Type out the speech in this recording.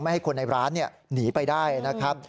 ให้คนในร้านหนีไปได้นะครับ